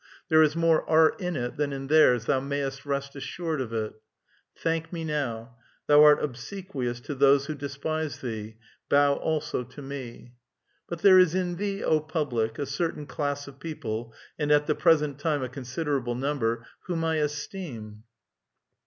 There is more art in it than in ' theirs; thou mayest rest assured of it. Thank me now ; thou art obsequious to those who despise thee : bow also to me. But there is in thee, O public, a certain class of people — and at the present time a considerable number — whom I esteem.